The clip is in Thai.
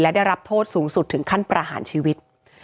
และได้รับโทษสูงสุดถึงขั้นประหารชีวิต